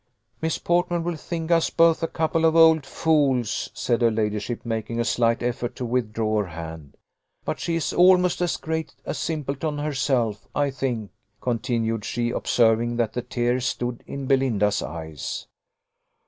"Miss Portman will think us both a couple of old fools," said her ladyship, making a slight effort to withdraw her hand. "But she is almost as great a simpleton herself, I think," continued she, observing that the tears stood in Belinda's eyes.